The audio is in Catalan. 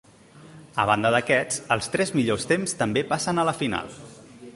A banda d'aquests, els tres millors temps també passen a la final.